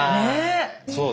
そう。